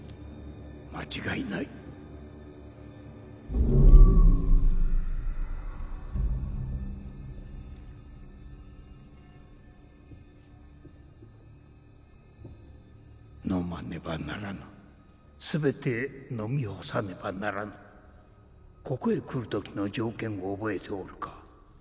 間違いない飲まねばならぬ全て飲み干さねばならぬここへ来るときの条件を覚えておるか？